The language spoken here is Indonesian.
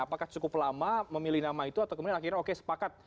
apakah cukup lama memilih nama itu atau kemudian akhirnya oke sepakat